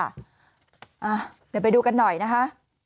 เดี๋ยวไปดูกันหน่อยนะคะ